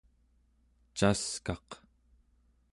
caskaq